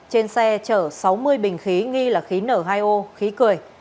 trên xe chở sáu mươi bình khí nghi là khí nở hai ô khí cười